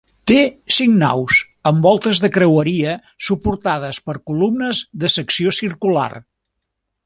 Té cinc naus amb voltes de creueria suportades per columnes de secció circular.